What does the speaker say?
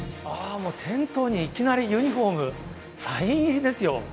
もう店頭にいきなりユニフォーム、サイン入りですよ。